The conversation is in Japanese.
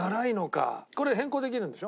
これ変更できるんでしょ？